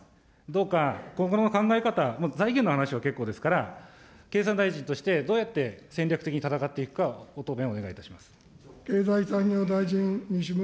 どうかここの考え方、財源の話は結構ですから、経産大臣としてどうやって戦略的に戦っていくか、ご答弁をお願いいたします。